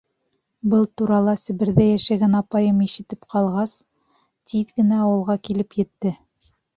Был турала Себерҙә йәшәгән апайым ишетеп ҡалғас, тиҙ генә ауылға килеп етте.